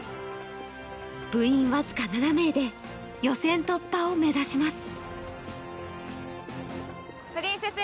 部員僅か７名で、予選突破を目指します。